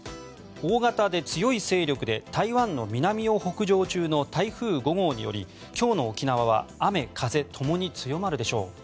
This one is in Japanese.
大型で強い勢力で台湾の南を北上中の台風５号により今日の沖縄は雨風ともに強まるでしょう。